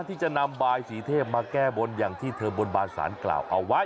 ที่จะนำบายสีเทพมาแก้บนอย่างที่เธอบนบานสารกล่าวเอาไว้